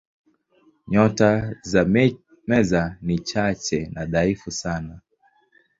Nyota za Meza ni chache na dhaifu sana.